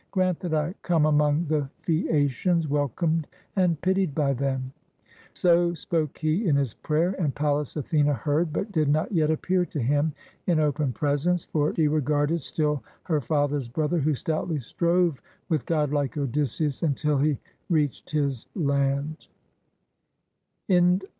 Grant that I come among the Phaeacians welcomed and pitied by them," So spoke he in his prayer, and Pallas Athene heard, but did not yet appear to him in open presence; for she regarded still her father's brother, who stoutly strove with godlike Odysseus until he reached his land.